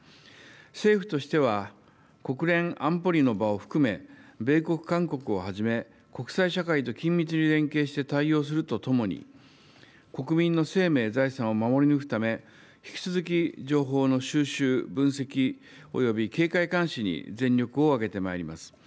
政府としては、国連安保理の場を含め、米国、韓国をはじめ、国際社会と緊密に連携して対応するとともに、国民の生命、財産を守り抜くため、引き続き情報の収集、分析および警戒監視に全力を挙げてまいります。